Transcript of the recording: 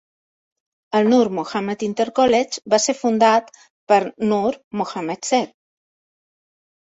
El Noor Muhammad Inter College va ser fundat per Noor Mohammad Seth.